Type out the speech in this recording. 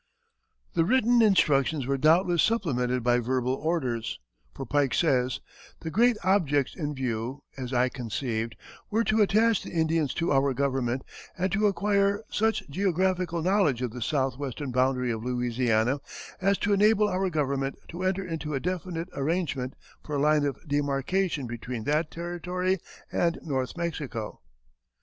The written instructions were doubtless supplemented by verbal orders, for Pike says: "The great objects in view (as I conceived) were to attach the Indians to our Government and to acquire such geographical knowledge of the south western boundary of Louisiana as to enable our Government to enter into a definite arrangement for a line of demarcation between that territory and North Mexico."